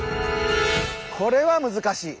これは難しい。